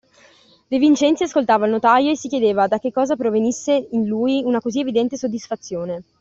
De Vincenzi ascoltava il notaio e si chiedeva da che cosa provenisse in lui una così evidente soddisfazione.